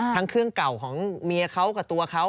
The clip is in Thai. ทั้งเครื่องเก่าของเมียเขากับตัวเขา